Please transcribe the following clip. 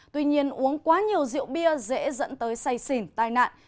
tuy nhiên uống quá nhiều rượu bia dễ dẫn tới say xỉn tai nạn